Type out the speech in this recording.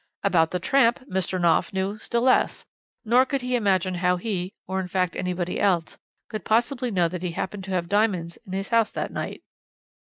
"About the tramp Mr. Knopf knew still less, nor could he imagine how he, or in fact anybody else, could possibly know that he happened to have diamonds in his house that night.